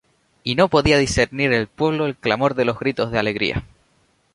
Y no podía discernir el pueblo el clamor de los gritos de alegría